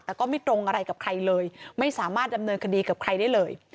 แต่ก็ไม่ตรงอะไรกับใครเลยไม่สามารถดำเนินคดีกับใครได้เลย